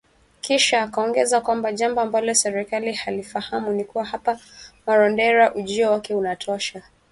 Kisha akaongeza kwamba jambo ambalo serikali hailifahamu ni kuwa hapa Marondera ujio wake unatosha